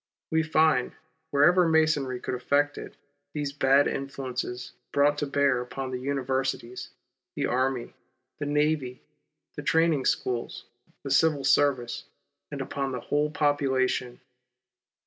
We find, wherever Masonry could effect it, these bad influences brought to bear upon the universities, the army, the navy, the training schools, the civil service, and upon the whole population.